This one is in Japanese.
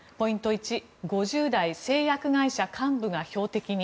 １５０代製薬会社幹部が標的に。